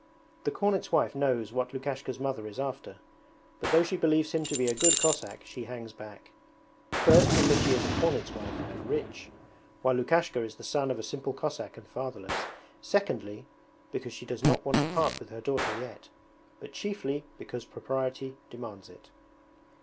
The cornet's wife knows what Lukashka's mother is after, but though she believes him to be a good Cossack she hangs back: first because she is a cornet's wife and rich, while Lukashka is the son of a simple Cossack and fatherless, secondly because she does not want to part with her daughter yet, but chiefly because propriety demands it.